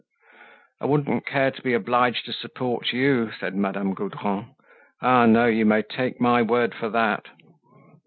"I wouldn't care to be obliged to support you," said Madame Gaudron. "Ah, no; you may take my word for that!"